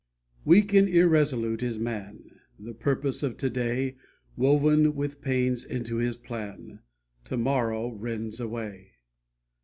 Weak and irresolute is man; The purpose of to day, Woven with pains into his plan, To morrow rends away.